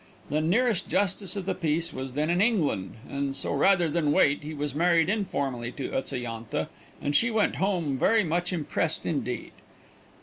The nearest justice of the peace was then in England, and so rather than wait he was married informally to Utsa yantha, and she went home very much impressed indeed.